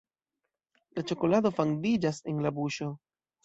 La ĉokolado fandiĝas en la buŝo.